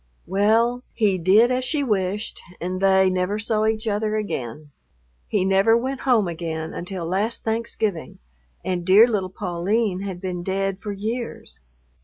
Well, he did as she wished and they never saw each other again. He never went home again until last Thanksgiving, and dear little Pauline had been dead for years.